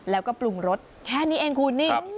แล้วก็ปรุงรสแค่นี้เองคุณนี่